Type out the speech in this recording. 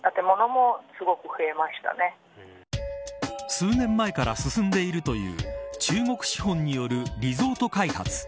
数年前から進んでいるという中国資本によるリゾート開発。